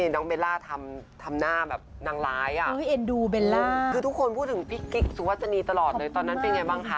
น้องเบลล่าทำหน้าแบบนางร้ายทุกคนพูดถึงพี่กิคสุศนีตลอดเลยตอนนั้นเป็นยังไงบ้างค่ะ